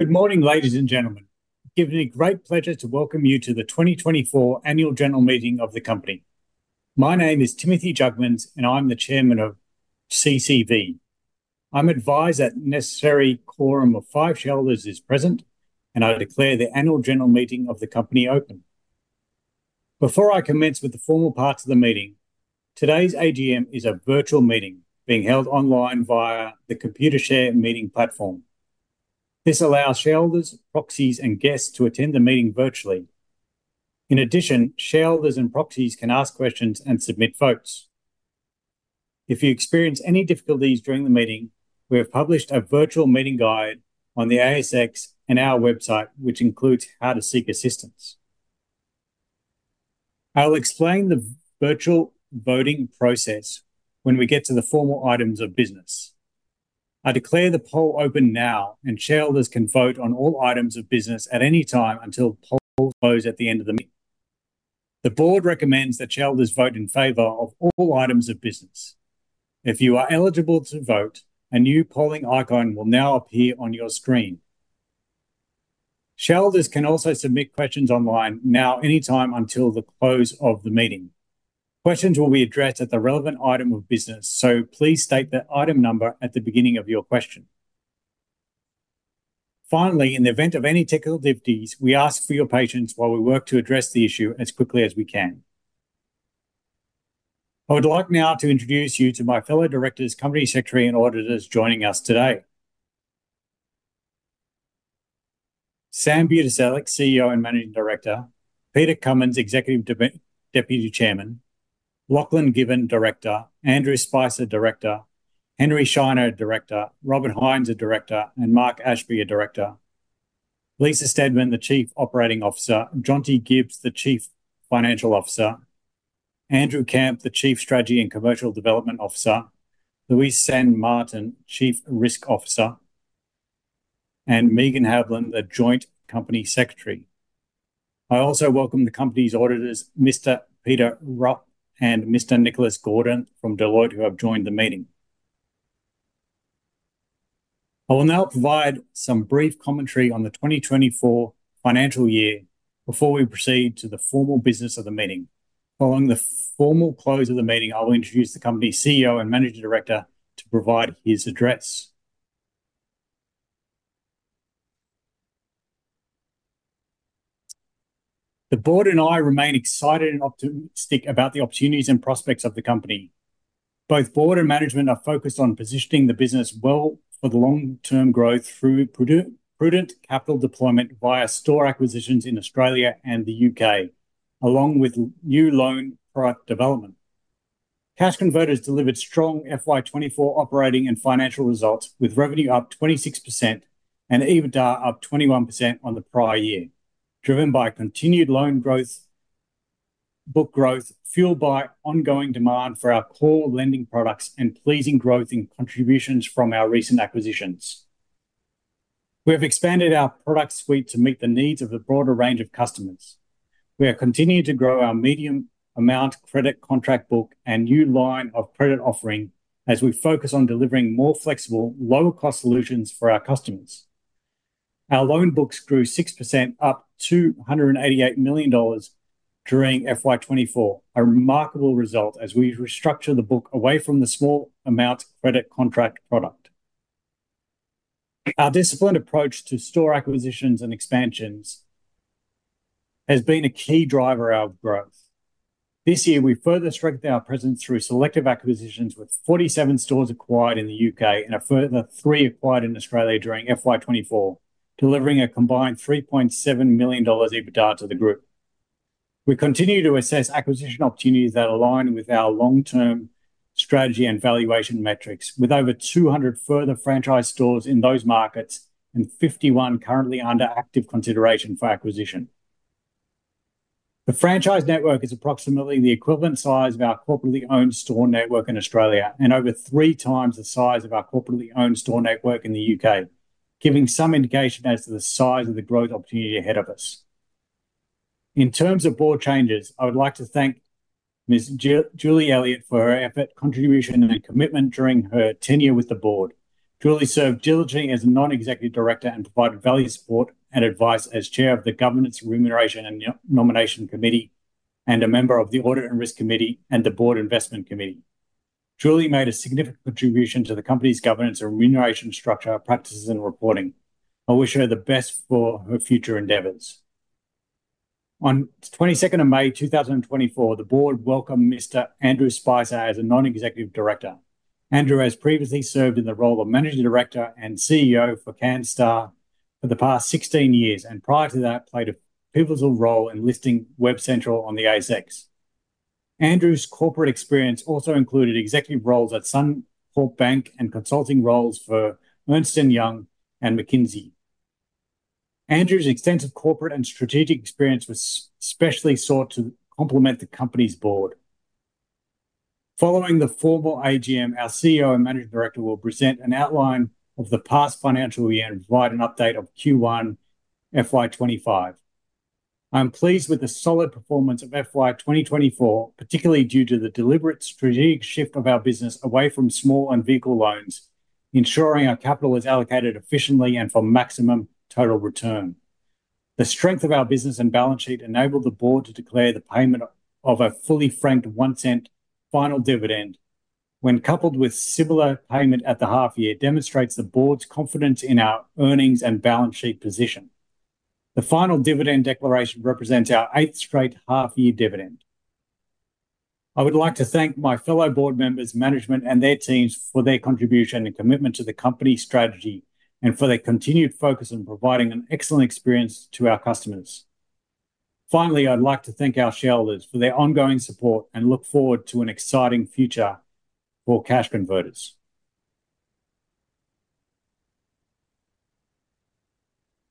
Good morning, ladies and gentlemen. It gives me great pleasure to welcome you to the 2024 Annual General Meeting of the Company. My name is Timothy Jugmans, and I'm the Chairman of CCV. I'm advised that necessary quorum of five shareholders is present, and I declare the Annual General Meeting of the Company open. Before I commence with the formal parts of the meeting, today's AGM is a virtual meeting being held online via the Computershare Meeting Platform. This allows shareholders, proxies, and guests to attend the meeting virtually. In addition, shareholders and proxies can ask questions and submit votes. If you experience any difficulties during the meeting, we have published a virtual meeting guide on the ASX and our website, which includes how to seek assistance. I'll explain the virtual voting process when we get to the formal items of business. I declare the poll open now, and shareholders can vote on all items of business at any time until the poll closes at the end of the meeting. The board recommends that shareholders vote in favor of all items of business. If you are eligible to vote, a new polling icon will now appear on your screen. Shareholders can also submit questions online now anytime until the close of the meeting. Questions will be addressed at the relevant item of business, so please state the item number at the beginning of your question. Finally, in the event of any technical difficulties, we ask for your patience while we work to address the issue as quickly as we can. I would like now to introduce you to my fellow directors, company secretary, and auditors joining us today: Sam Budiselik, CEO and Managing Director, Peter Cummins, Executive Deputy Chairman, Lachlan Given, Director, Andrew Spicer, Director, Henry Shiner, Director, Robert Hines, Director, and Mark Ashby, Director, Lisa Stedman, the Chief Operating Officer, Jonty Gibbs, the Chief Financial Officer, Andrew Kemp, the Chief Strategy and Commercial Development Officer, Louise Sandblom, Chief Risk Officer, and Meagan Hamblin, the Joint Company Secretary. I also welcome the company's auditors, Mr. Peter Rupp and Mr. Nicholas Gordon from Deloitte, who have joined the meeting. I will now provide some brief commentary on the 2024 financial year before we proceed to the formal business of the meeting. Following the formal close of the meeting, I will introduce the company's CEO and Managing Director to provide his address. The board and I remain excited and optimistic about the opportunities and prospects of the company. Both board and management are focused on positioning the business well for the long-term growth through prudent capital deployment via store acquisitions in Australia and the U.K., along with new loan product development. Cash Converters delivered strong FY24 operating and financial results, with revenue up 26% and EBITDA up 21% on the prior year, driven by continued loan growth, book growth fueled by ongoing demand for our core lending products, and pleasing growth in contributions from our recent acquisitions. We have expanded our product suite to meet the needs of a broader range of customers. We are continuing to grow our medium amount credit contract book and new line of credit offering as we focus on delivering more flexible, lower-cost solutions for our customers. Our loan books grew 6%, up 288 million dollars during FY24, a remarkable result as we restructure the book away from the Small Amount Credit Contract product. Our disciplined approach to store acquisitions and expansions has been a key driver of our growth. This year, we further strengthened our presence through selective acquisitions, with 47 stores acquired in the U.K. and a further three acquired in Australia during FY24, delivering a combined 3.7 million dollars EBITDA to the group. We continue to assess acquisition opportunities that align with our long-term strategy and valuation metrics, with over 200 further franchise stores in those markets and 51 currently under active consideration for acquisition. The franchise network is approximately the equivalent size of our corporately owned store network in Australia and over three times the size of our corporately owned store network in the U.K., giving some indication as to the size of the growth opportunity ahead of us. In terms of board changes, I would like to thank Ms. Julie Elliott for her effort, contribution, and commitment during her tenure with the board. Julie served diligently as a non-executive director and provided value, support, and advice as Chair of the Governance, Remuneration, and Nomination Committee and a member of the Audit and Risk Committee and the Board Investment Committee. Julie made a significant contribution to the company's governance and remuneration structure, practices, and reporting. I wish her the best for her future endeavors. On 22 May 2024, the board welcomed Mr. Andrew Spicer as a non-executive director. Andrew has previously served in the role of Managing Director and CEO for Canstar for the past 16 years and prior to that played a pivotal role in listing WebCentral on the ASX. Andrew's corporate experience also included executive roles at Suncorp Bank and consulting roles for Ernst & Young and McKinsey. Andrew's extensive corporate and strategic experience was especially sought to complement the company's board. Following the formal AGM, our CEO and Managing Director will present an outline of the past financial year and provide an update of Q1 FY25. I am pleased with the solid performance of FY2024, particularly due to the deliberate strategic shift of our business away from small and vehicle loans, ensuring our capital is allocated efficiently and for maximum total return. The strength of our business and balance sheet enabled the board to declare the payment of a fully franked 0.01 final dividend, when coupled with similar payment at the half-year, demonstrates the board's confidence in our earnings and balance sheet position. The final dividend declaration represents our eighth straight half-year dividend. I would like to thank my fellow board members, management, and their teams for their contribution and commitment to the company strategy and for their continued focus on providing an excellent experience to our customers. Finally, I'd like to thank our shareholders for their ongoing support and look forward to an exciting future for Cash Converters.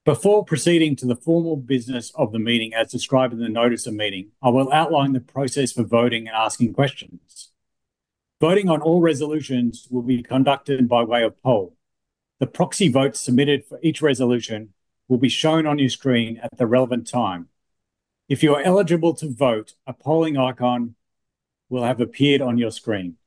Before proceeding to the formal business of the meeting, as described in the notice of meeting, I will outline the process for voting and asking questions. Voting on all resolutions will be conducted by way of poll. The proxy votes submitted for each resolution will be shown on your screen at the relevant time. If you are eligible to vote, a polling icon will have appeared on your screen.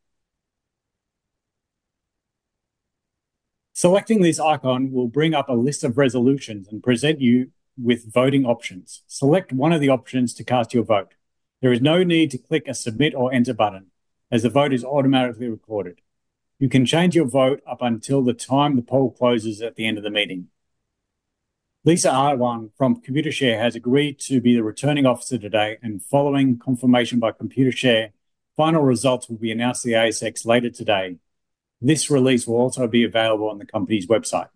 Selecting this icon will bring up a list of resolutions and present you with voting options. Select one of the options to cast your vote. There is no need to click a submit or enter button, as the vote is automatically recorded. You can change your vote up until the time the poll closes at the end of the meeting. Lisa Irwin from Computershare has agreed to be the returning officer today, and following confirmation by Computershare, final results will be announced to the ASX later today. This release will also be available on the company's website.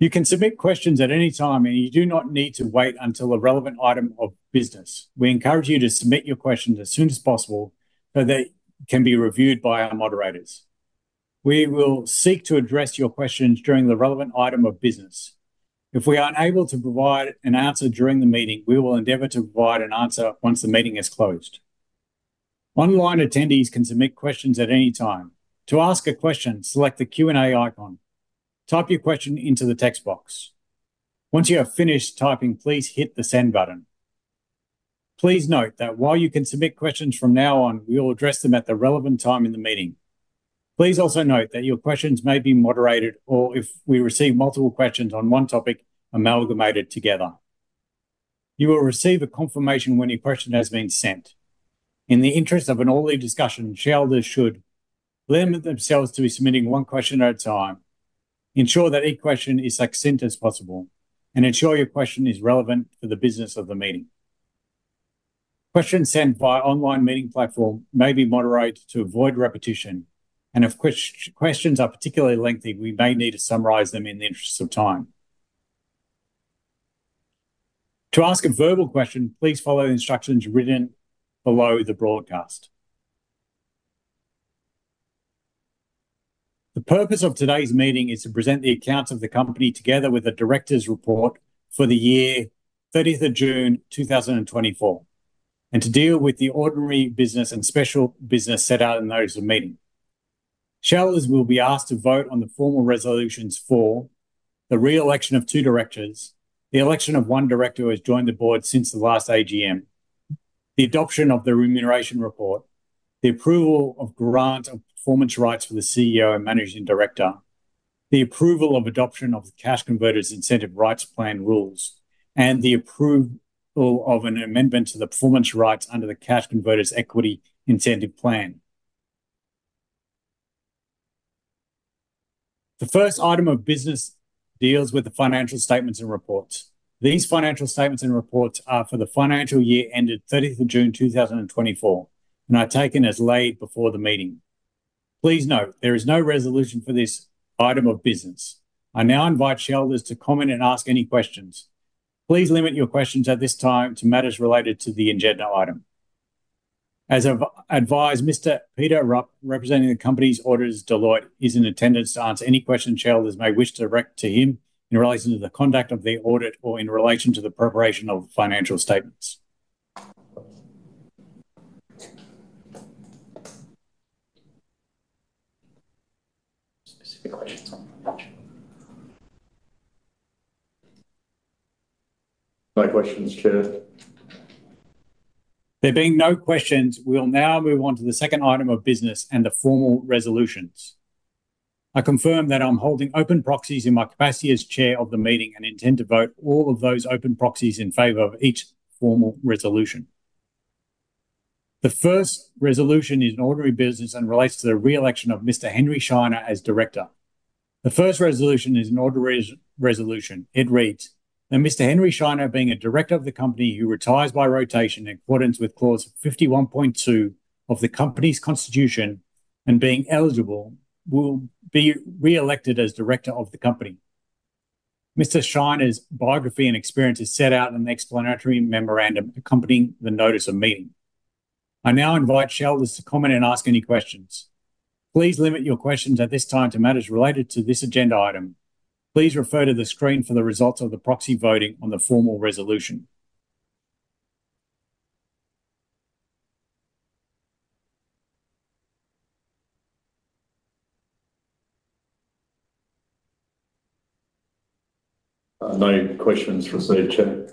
You can submit questions at any time, and you do not need to wait until the relevant item of business. We encourage you to submit your questions as soon as possible so that it can be reviewed by our moderators. We will seek to address your questions during the relevant item of business. If we are unable to provide an answer during the meeting, we will endeavour to provide an answer once the meeting is closed. Online attendees can submit questions at any time. To ask a question, select the Q&A icon. Type your question into the text box. Once you have finished typing, please hit the send button. Please note that while you can submit questions from now on, we will address them at the relevant time in the meeting. Please also note that your questions may be moderated, or if we receive multiple questions on one topic, amalgamated together. You will receive a confirmation when your question has been sent. In the interest of an orderly discussion, shareholders should limit themselves to submitting one question at a time, ensure that each question is succinct as possible, and ensure your question is relevant for the business of the meeting. Questions sent via online meeting platform may be moderated to avoid repetition, and if questions are particularly lengthy, we may need to summarize them in the interest of time. To ask a verbal question, please follow the instructions written below the broadcast. The purpose of today's meeting is to present the accounts of the company together with the director's report for the year 30 June 2024, and to deal with the ordinary business and special business set out in those meetings. Shareholders will be asked to vote on the formal resolutions for the re-election of two directors, the election of one director who has joined the board since the last AGM, the adoption of the remuneration report, the approval of grant of performance rights for the CEO and Managing Director, the approval of adoption of the Cash Converters Incentive Rights Plan rules, and the approval of an amendment to the performance rights under the Cash Converters Equity Incentive Plan. The first item of business deals with the financial statements and reports. These financial statements and reports are for the financial year ended 30 June 2024 and are taken as laid before the meeting. Please note, there is no resolution for this item of business. I now invite shareholders to comment and ask any questions. Please limit your questions at this time to matters related to the agenda item. As advised, Mr. Peter Rupp, representing the company's auditors, Deloitte, is in attendance to answer any questions shareholders may wish to direct to him in relation to the conduct of the audit or in relation to the preparation of financial statements. Specific questions? No questions, Chair. There being no questions, we'll now move on to the second item of business and the formal resolutions. I confirm that I'm holding open proxies in my capacity as Chair of the meeting and intend to vote all of those open proxies in favor of each formal resolution. The first resolution is an ordinary business and relates to the re-election of Mr. Henry Shiner as Director. The first resolution is an ordinary resolution. It reads, "Mr. Henry Shiner, being a director of the company who retires by rotation in accordance with clause 51.2 of the company's constitution and being eligible, will be re-elected as Director of the company." Mr. Shiner's biography and experience is set out in the explanatory memorandum accompanying the notice of meeting. I now invite shareholders to comment and ask any questions. Please limit your questions at this time to matters related to this agenda item. Please refer to the screen for the results of the proxy voting on the formal resolution. No questions received, Chair.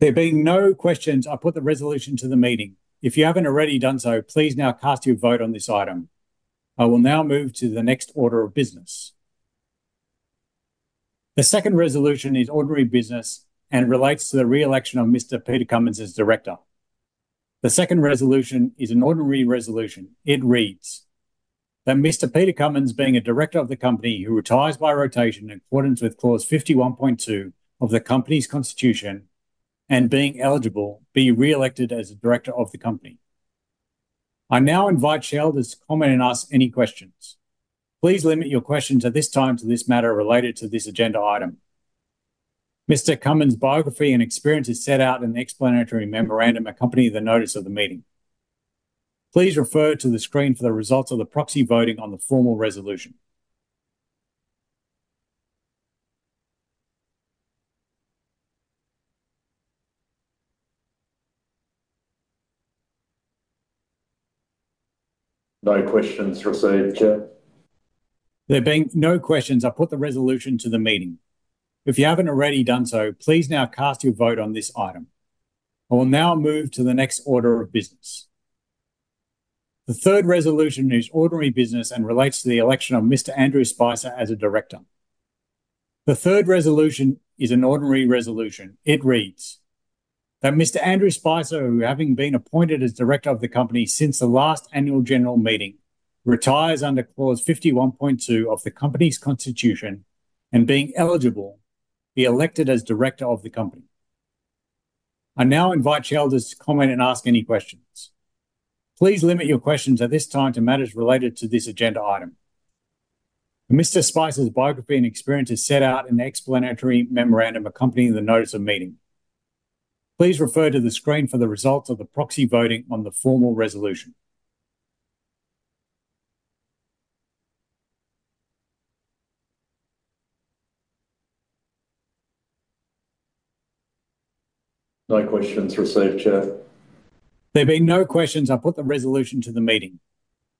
There being no questions, I put the resolution to the meeting. If you haven't already done so, please now cast your vote on this item. I will now move to the next order of business. The second resolution is ordinary business and relates to the re-election of Mr. Peter Cummins as Director. The second resolution is an ordinary resolution. It reads, "That Mr. Peter Cummins, being a director of the company who retires by rotation in accordance with clause 51.2 of the company's constitution and being eligible, be re-elected as a Director of the company." I now invite shareholders to comment and ask any questions. Please limit your questions at this time to this matter related to this agenda item. Mr. Cummins' biography and experience is set out in the explanatory memorandum accompanying the notice of the meeting. Please refer to the screen for the results of the proxy voting on the formal resolution. No questions received, Chair. There being no questions, I put the resolution to the meeting. If you haven't already done so, please now cast your vote on this item. I will now move to the next order of business. The third resolution is ordinary business and relates to the election of Mr. Andrew Spicer as a Director. The third resolution is an ordinary resolution. It reads, "That Mr. Andrew Spicer, who having been appointed as Director of the company since the last Annual General Meeting, retires under clause 51.2 of the company's constitution and being eligible, be elected as Director of the company." I now invite shareholders to comment and ask any questions. Please limit your questions at this time to matters related to this agenda item. Mr. Spicer's biography and experience is set out in the explanatory memorandum accompanying the notice of meeting. Please refer to the screen for the results of the proxy voting on the formal resolution. No questions received, Chair. There being no questions, I put the resolution to the meeting.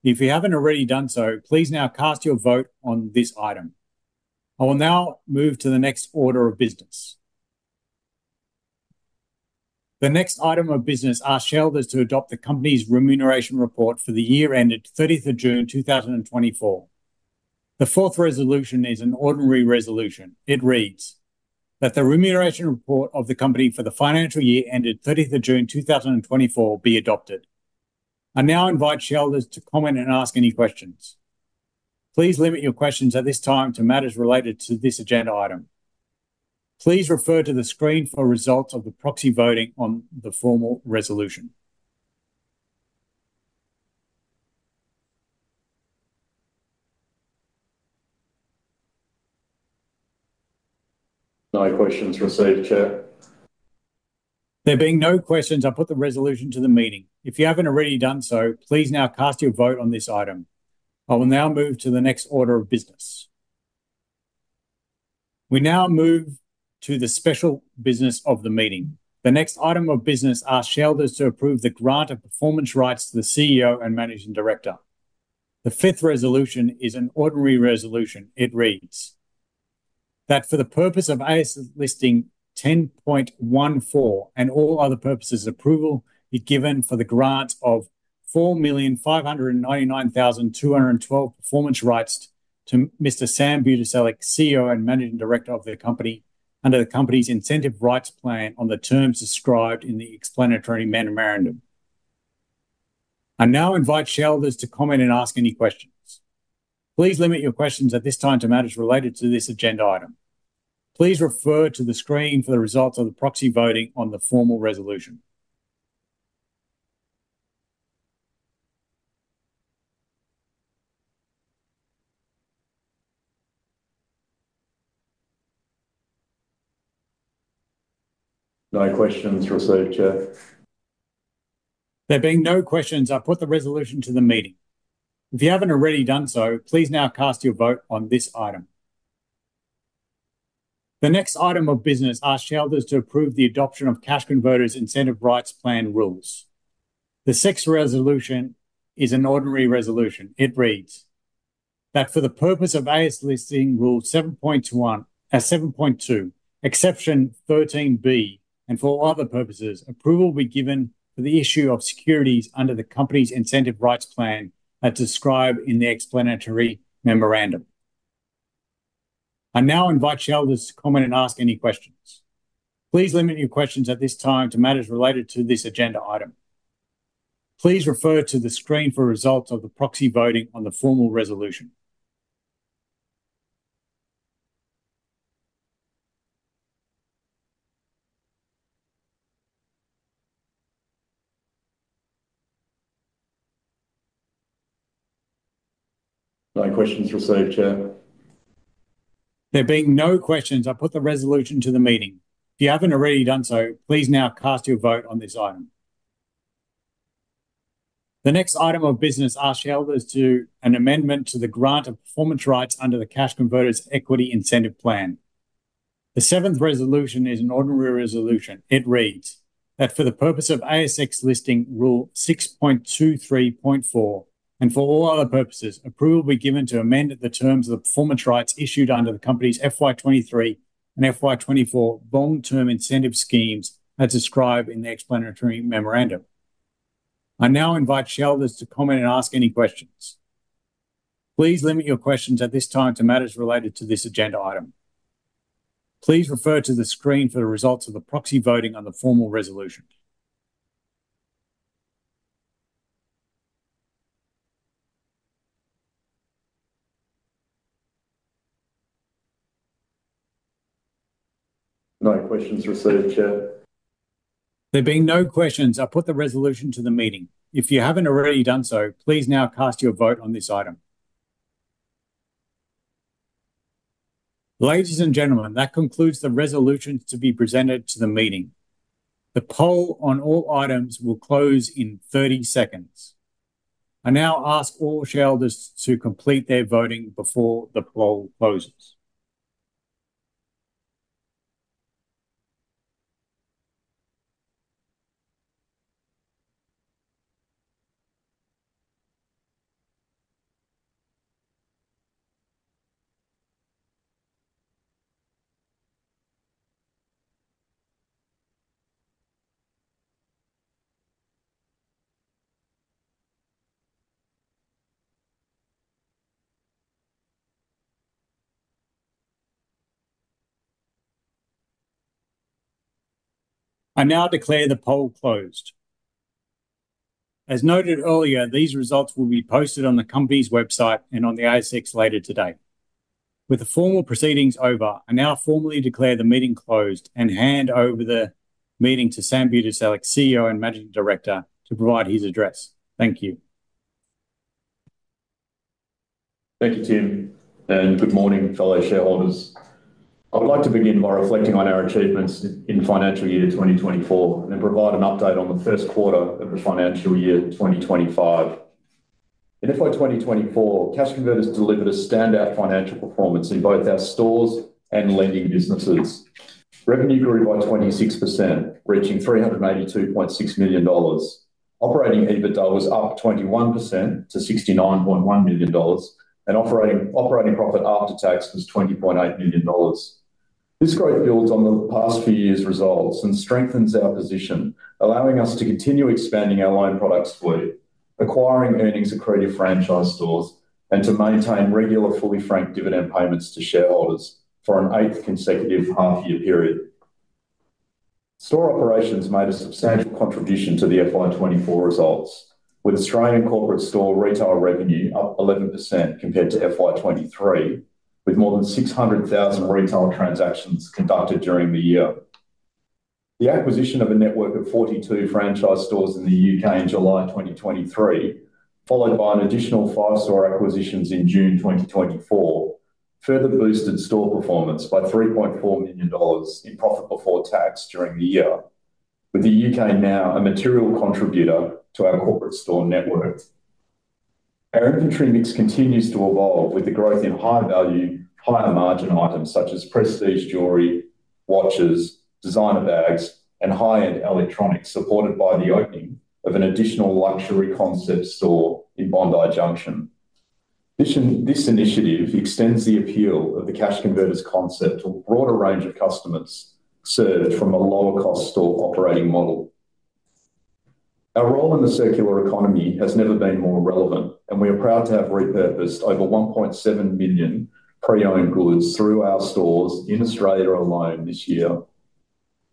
If you haven't already done so, please now cast your vote on this item. I will now move to the next order of business. The next item of business asks shareholders to adopt the company's remuneration report for the year ended 30 June 2024. The fourth resolution is an ordinary resolution. It reads, "That the remuneration report of the company for the financial year ended 30 June 2024 be adopted." I now invite shareholders to comment and ask any questions. Please limit your questions at this time to matters related to this agenda item. Please refer to the screen for results of the proxy voting on the fourth resolution. No questions received, Chair. There being no questions, I put the resolution to the meeting. If you haven't already done so, please now cast your vote on this item. I will now move to the next order of business. We now move to the special business of the meeting. The next item of business asks shareholders to approve the grant of performance rights to the CEO and Managing Director. The fifth resolution is an ordinary resolution. It reads, "That for the purpose of ASX listing 10.14 and all other purposes of approval be given for the grant of 4,599,212 performance rights to Mr. Sam Budiselik, CEO and Managing Director of the company under the company's incentive rights plan on the terms described in the explanatory memorandum." I now invite shareholders to comment and ask any questions. Please limit your questions at this time to matters related to this agenda item. Please refer to the screen for the results of the proxy voting on the formal resolution. No questions received, Chair. There being no questions, I put the resolution to the meeting. If you haven't already done so, please now cast your vote on this item. The next item of business asks shareholders to approve the adoption of Cash Converters Incentive Rights Plan rules. The sixth resolution is an ordinary resolution. It reads, "That for the purpose of ASX listing rule 7.2, exception 13B, and for other purposes, approval be given for the issue of securities under the company's incentive rights plan as described in the explanatory memorandum." I now invite shareholders to comment and ask any questions. Please limit your questions at this time to matters related to this agenda item. Please refer to the screen for results of the proxy voting on the formal resolution. No questions received, Chair. There being no questions, I put the resolution to the meeting. If you haven't already done so, please now cast your vote on this item. The next item of business asks shareholders to approve an amendment to the grant of performance rights under the Cash Converters Equity Incentive Plan. The seventh resolution is an ordinary resolution. It reads, "That for the purpose of ASX listing rule 6.23.4 and for all other purposes, approval be given to amend the terms of the performance rights issued under the company's FY23 and FY24 long-term incentive schemes as described in the explanatory memorandum." I now invite shareholders to comment and ask any questions. Please limit your questions at this time to matters related to this agenda item. Please refer to the screen for the results of the proxy voting on the formal resolution. No questions received, Chair. There being no questions, I put the resolution to the meeting. If you haven't already done so, please now cast your vote on this item. Ladies and gentlemen, that concludes the resolutions to be presented to the meeting. The poll on all items will close in 30 seconds. I now ask all shareholders to complete their voting before the poll closes. I now declare the poll closed. As noted earlier, these results will be posted on the company's website and on the ASX later today. With the formal proceedings over, I now formally declare the meeting closed and hand over the meeting to Sam Budiselik, CEO and Managing Director, to provide his address. Thank you. Thank you, Tim. And good morning, fellow shareholders. I would like to begin by reflecting on our achievements in financial year 2024 and provide an update on the first quarter of the financial year 2025. In FY24, Cash Converters delivered a standout financial performance in both our stores and lending businesses. Revenue grew by 26%, reaching 382.6 million dollars. Operating EBITDA was up 21% to 69.1 million dollars, and operating profit after tax was 20.8 million dollars. This growth builds on the past few years' results and strengthens our position, allowing us to continue expanding our loan product split, acquiring earnings accredited franchise stores, and to maintain regular fully franked dividend payments to shareholders for an eighth consecutive half-year period. Store operations made a substantial contribution to the FY24 results, with Australian corporate store retail revenue up 11% compared to FY23, with more than 600,000 retail transactions conducted during the year. The acquisition of a network of 42 franchise stores in the U.K. in July 2023, followed by an additional five store acquisitions in June 2024, further boosted store performance by AUD 3.4 million in profit before tax during the year, with the U.K. now a material contributor to our corporate store network. Our inventory mix continues to evolve with the growth in high-value, higher-margin items such as prestige jewelry, watches, designer bags, and high-end electronics, supported by the opening of an additional luxury concept store in Bondi Junction. This initiative extends the appeal of the Cash Converters concept to a broader range of customers served from a lower-cost store operating model. Our role in the circular economy has never been more relevant, and we are proud to have repurposed over 1.7 million pre-owned goods through our stores in Australia alone this year.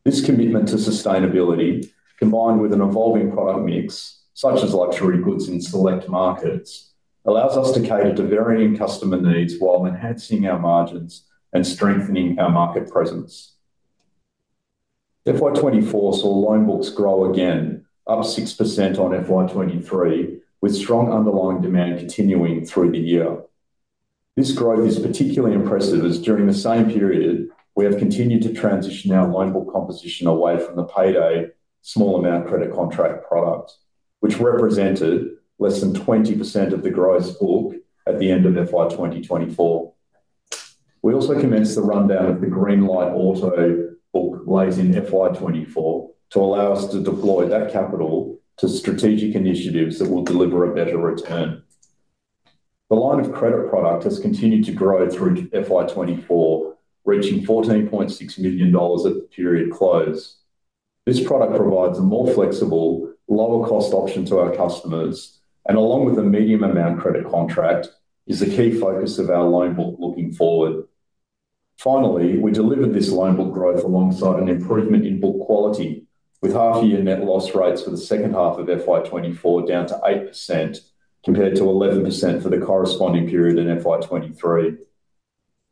This commitment to sustainability, combined with an evolving product mix such as luxury goods in select markets, allows us to cater to varying customer needs while enhancing our margins and strengthening our market presence. FY24 saw loan books grow again, up 6% on FY23, with strong underlying demand continuing through the year. This growth is particularly impressive as during the same period, we have continued to transition our loan book composition away from the payday small amount credit contract product, which represented less than 20% of the gross book at the end of FY24. We also commenced the rundown of the Greenlight Auto book lease in FY24 to allow us to deploy that capital to strategic initiatives that will deliver a better return. The line of credit product has continued to grow through FY24, reaching AUD 14.6 million at the period close. This product provides a more flexible, lower-cost option to our customers, and along with a medium amount credit contract, is the key focus of our loan book looking forward. Finally, we delivered this loan book growth alongside an improvement in book quality, with half-year net loss rates for the second half of FY24 down to 8% compared to 11% for the corresponding period in FY23.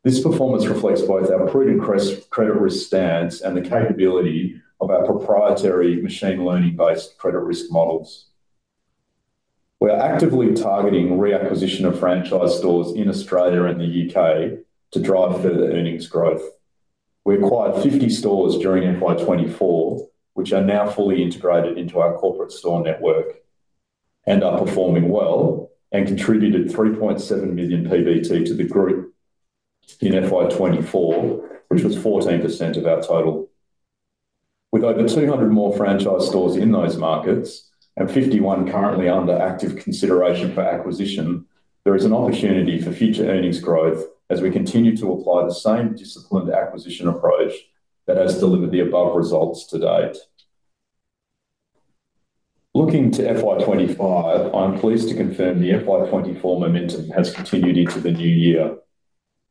This performance reflects both our prudent credit risk stance and the capability of our proprietary machine learning-based credit risk models. We are actively targeting reacquisition of franchise stores in Australia and the U.K. to drive further earnings growth. We acquired 50 stores during FY24, which are now fully integrated into our corporate store network, and are performing well and contributed 3.7 million PBT to the group in FY24, which was 14% of our total. With over 200 more franchise stores in those markets and 51 currently under active consideration for acquisition, there is an opportunity for future earnings growth as we continue to apply the same disciplined acquisition approach that has delivered the above results to date. Looking to FY25, I'm pleased to confirm the FY24 momentum has continued into the new year.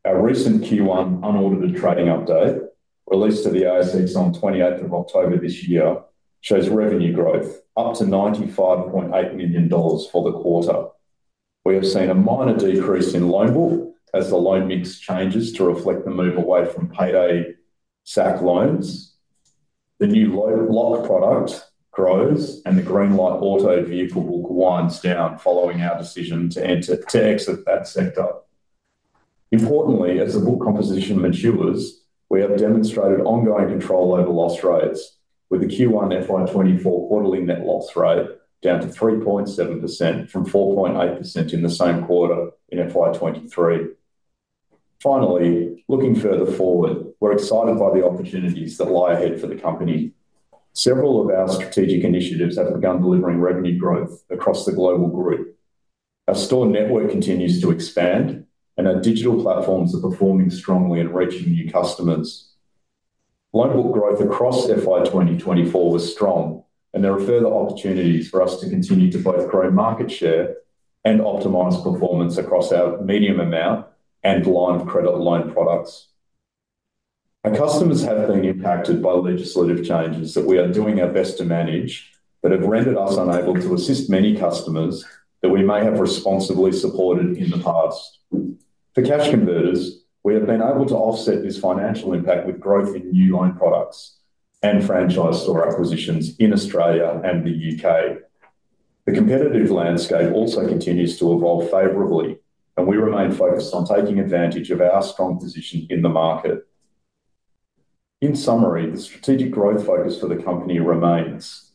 Our recent Q1 unaudited trading update, released to the ASX on 28 October this year, shows revenue growth up to 95.8 million dollars for the quarter. We have seen a minor decrease in loan book as the loan mix changes to reflect the move away from payday SACC loans. The new LOC product grows and the Greenlight Auto vehicle book winds down following our decision to exit that sector. Importantly, as the book composition matures, we have demonstrated ongoing control over loss rates, with the Q1 FY24 quarterly net loss rate down to 3.7% from 4.8% in the same quarter in FY23. Finally, looking further forward, we're excited by the opportunities that lie ahead for the company. Several of our strategic initiatives have begun delivering revenue growth across the global group. Our store network continues to expand and our digital platforms are performing strongly and reaching new customers. Loan book growth across FY2024 was strong, and there are further opportunities for us to continue to both grow market share and optimize performance across our medium amount and line of credit loan products. Our customers have been impacted by legislative changes that we are doing our best to manage that have rendered us unable to assist many customers that we may have responsibly supported in the past. For Cash Converters, we have been able to offset this financial impact with growth in new loan products and franchise store acquisitions in Australia and the UK. The competitive landscape also continues to evolve favorably, and we remain focused on taking advantage of our strong position in the market. In summary, the strategic growth focus for the company remains: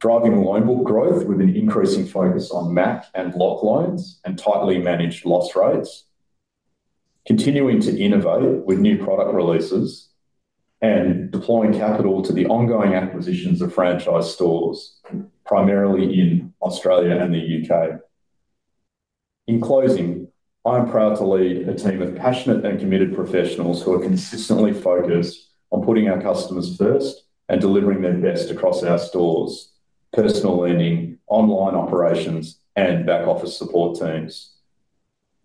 driving loan book growth with an increasing focus on MACC and lock loans and tightly managed loss rates, continuing to innovate with new product releases, and deploying capital to the ongoing acquisitions of franchise stores, primarily in Australia and the UK. In closing, I am proud to lead a team of passionate and committed professionals who are consistently focused on putting our customers first and delivering the best across our stores, personal lending, online operations, and back office support teams.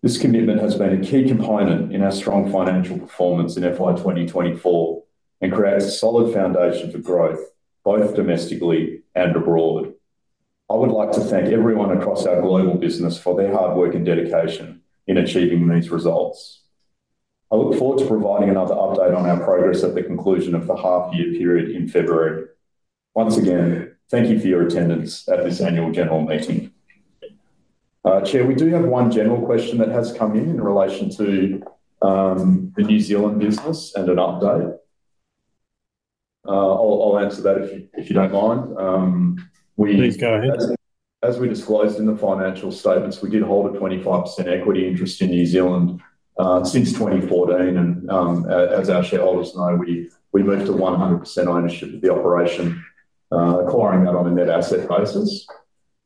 This commitment has been a key component in our strong financial performance in FY2024 and creates a solid foundation for growth both domestically and abroad. I would like to thank everyone across our global business for their hard work and dedication in achieving these results. I look forward to providing another update on our progress at the conclusion of the half-year period in February. Once again, thank you for your attendance at this annual general meeting. Chair, we do have one general question that has come in relation to the New Zealand business and an update. I'll answer that if you don't mind. Please go ahead. As we disclosed in the financial statements, we did hold a 25% equity interest in New Zealand since 2014, and as our shareholders know, we moved to 100% ownership of the operation, acquiring that on a net asset basis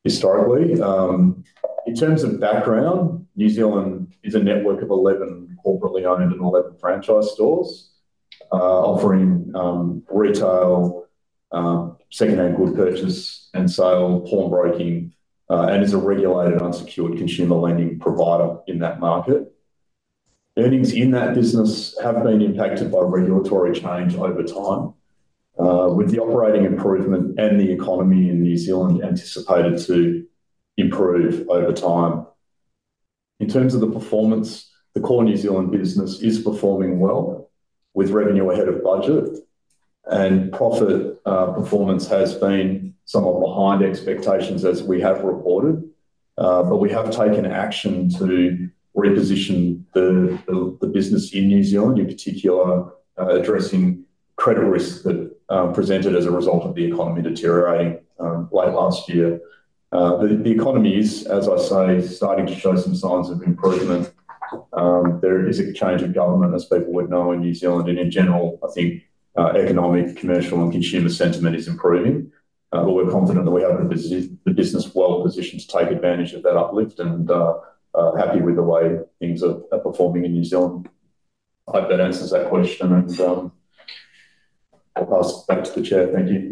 historically. In terms of background, New Zealand is a network of 11 corporately owned and 11 franchise stores, offering retail, second-hand goods purchase and sale, pawnbroking, and is a regulated unsecured consumer lending provider in that market. Earnings in that business have been impacted by regulatory change over time, with the operating improvement and the economy in New Zealand anticipated to improve over time. In terms of the performance, the core New Zealand business is performing well, with revenue ahead of budget, and profit performance has been somewhat behind expectations as we have reported, but we have taken action to reposition the business in New Zealand, in particular addressing credit risks that presented as a result of the economy deteriorating late last year. The economy is, as I say, starting to show some signs of improvement. There is a change of government, as people would know in New Zealand, and in general, I think economic, commercial, and consumer sentiment is improving, but we're confident that we have the business well positioned to take advantage of that uplift and are happy with the way things are performing in New Zealand. I hope that answers that question, and I'll pass back to the chair. Thank you.